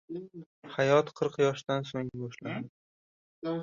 • Hayot qirq yoshdan so‘ng boshlanadi.